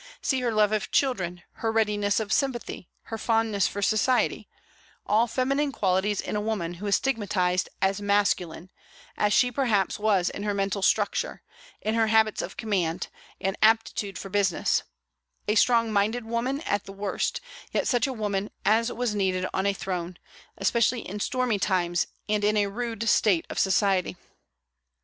See her love of children, her readiness of sympathy, her fondness for society, all feminine qualities in a woman who is stigmatized as masculine, as she perhaps was in her mental structure, in her habits of command, and aptitude for business: a strong minded woman at the worst, yet such a woman as was needed on a throne, especially in stormy times and in a rude state of society.